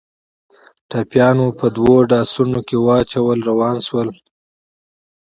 ټپيان مو په دوو ډاټسنو کښې واچول روان سو.